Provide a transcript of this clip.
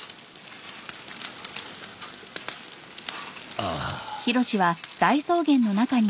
ああ